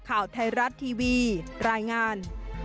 ข่าวไทยรัฐทีวีรายงาน